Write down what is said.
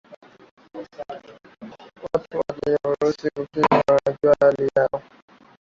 watu waliyo na virusi vya ukimwi wanajua hali yao